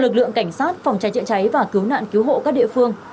theo lực lượng cảnh sát phòng cháy trịa cháy và cứu nạn cứu hộ các địa phương